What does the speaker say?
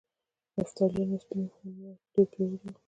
یفتلیان یا سپین هونیان ډیر پیاوړي وو